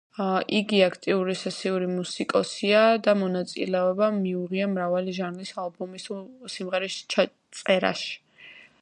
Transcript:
იგი აქტიური სესიური მუსიკოსია და მონაწილეობა მიუღია მრავალი ჟანრის ალბომის თუ სიმღერის ჩაწერაში.